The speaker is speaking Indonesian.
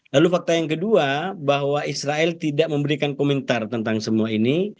lalu fakta yang kedua bahwa israel tidak memberikan komentar tentang semua ini